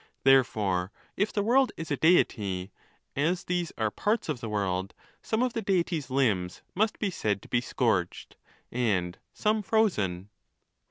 Therefore, if the world is a Deity, as these are parts of the world, some of the Deity's limbs must be said to be scorched, and some frozen.